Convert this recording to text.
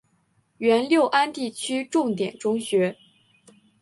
原六安地区重点中学。